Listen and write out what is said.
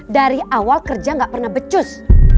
dari awal kerja nggak pernah becus